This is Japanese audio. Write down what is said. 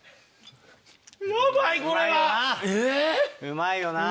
うまいよな。